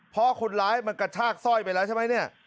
เพราะคนร้ายมันกระชากสร้อยไปแล้วใช่ไหมเนี่ย